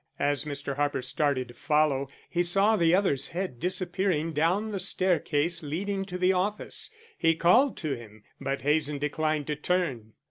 As Mr. Harper started to follow, he saw the other's head disappearing down the staircase leading to the office. He called to him, but Hazen declined to turn.